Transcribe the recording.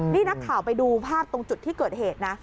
นี่นักข่าวไปดูภาพตรงจุดที่เกิดเหตุนะ